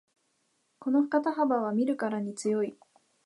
この肩幅は見るからに強い